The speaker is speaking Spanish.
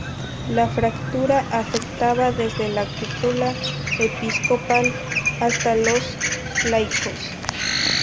La fractura afectaba desde la cúpula episcopal hasta los laicos.